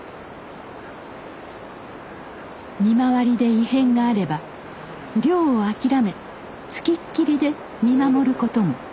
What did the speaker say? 見回りで異変があれば漁を諦め付きっきりで見守ることも。